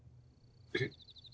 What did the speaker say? えっ？